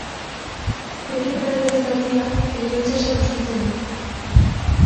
Bere iparraldeko zatia, Egeo itsasoak bustitzen du.